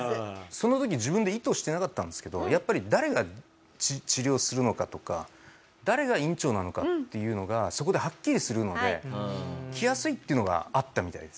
その時自分で意図してなかったんですけどやっぱり誰が治療するのかとか誰が院長なのかっていうのがそこではっきりするので来やすいっていうのがあったみたいです。